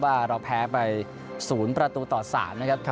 ว่าเราแพ้ไปศูนย์ประตูตอดศาลนะครับ